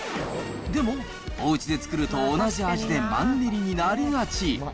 でも、おうちで作ると、同じ味でマンネリになりがち。